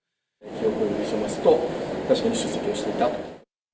記憶を呼び覚ますと、確かに出席をしていた。